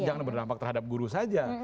jangan berdampak terhadap guru saja